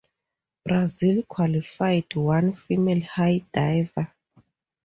Brazil qualified one female high diver.